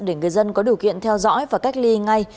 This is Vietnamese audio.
để người dân có điều kiện theo dõi và cách ly ngay